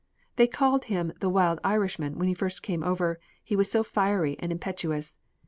They called him the 'wild Irishman' when he first came over, he was so fiery and impetuous.